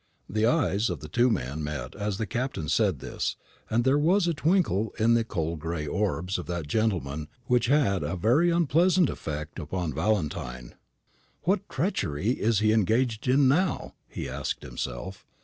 The eyes of the two men met as the Captain said this; and there was a twinkle in the cold gray orbs of that gentleman which had a very unpleasant effect upon Valentine. "What treachery is he engaged in now?" he asked himself.